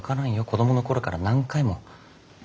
子供の頃から何回も。